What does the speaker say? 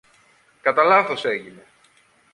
Κατά λάθος έγινε.